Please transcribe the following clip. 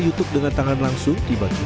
jadi kita buat menggali jimatnya ya